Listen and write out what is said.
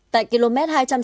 tại km hai trăm sáu mươi một